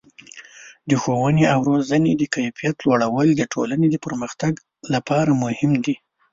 د ښوونې او روزنې د کیفیت لوړول د ټولنې د پرمختګ لپاره مهم دي.